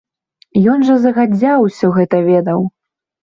Ён жа загадзя ўсё гэта ведаў!